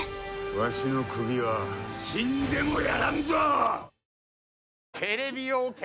わしの首は死んでもやらんぞ！